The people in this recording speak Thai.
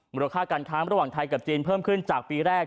มูลค่าการค้าระหว่างไทยกับจีนเพิ่มขึ้นจากปีแรก